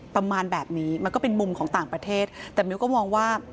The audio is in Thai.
ประมาณแบบนี้มันก็เป็นมุมของต่างประเทศแต่มิวก็มองว่า